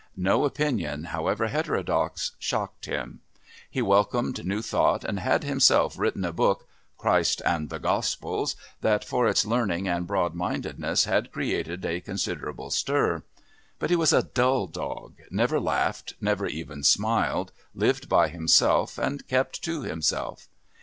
No opinion, however heterodox, shocked him. He welcomed new thought and had himself written a book, Christ and the Gospels, that for its learning and broad mindedness had created a considerable stir. But he was a dull dog, never laughed, never even smiled, lived by himself and kept to himself.